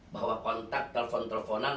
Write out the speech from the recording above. bahwa kontak telpon telponan